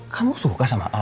kamu suka sama al